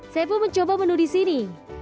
saya pun mencoba menu di sini